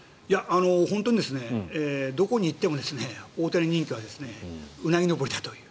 本当にどこに行っても大谷人気はうなぎ登りだという。